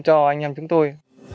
cho anh em chúng tôi